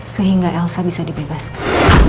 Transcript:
sehingga elsa bisa dibebaskan